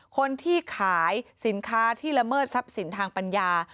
คนที่ขายสินค้าที่ละเมิดทรัพย์สินทางปัญญา